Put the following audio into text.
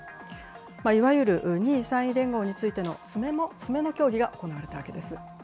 いわゆる２位３位連合についての詰めの協議が行われたわけです。